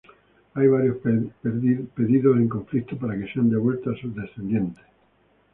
Hay varios pedidos en conflicto para que sean devueltos a sus descendientes.